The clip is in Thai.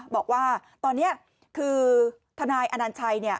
บอกว่าตอนนี้คือทนายอนัญชัย